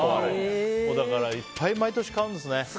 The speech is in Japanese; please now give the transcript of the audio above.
だからいっぱい毎年買うんですね。